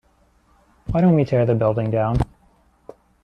why don't we tear the building down?